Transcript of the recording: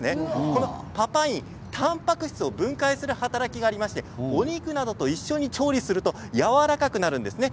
このパパイン、たんぱく質を分解する働きがありましてお肉などと一緒に調理するとやわらかくなるんですね。